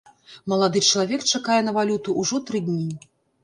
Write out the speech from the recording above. Малады чалавек чакае на валюту ўжо тры дні.